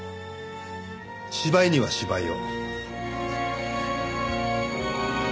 芝居には芝居を。